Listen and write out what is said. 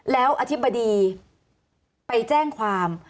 แล้วอธิบดีไปแจ้งความ